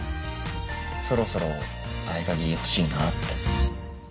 そろそろ合鍵欲しいなって。